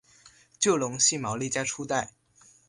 就隆系毛利家初代。